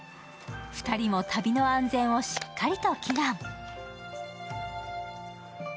２人も旅の安全をしっかりと祈願。